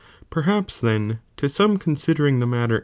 Perhaps then to some considering the matter j.